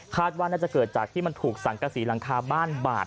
ว่าน่าจะเกิดจากที่มันถูกสังกษีหลังคาบ้านบาด